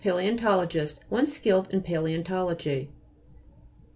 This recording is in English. PA'LJEOXTO'LOGIST One skilled in paleontology.